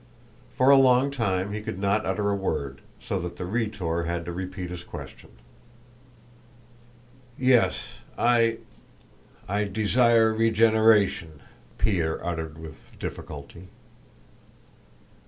For a long time he could not utter a word, so that the Rhetor had to repeat his question. "Yes... I... I... desire regeneration," Pierre uttered with difficulty.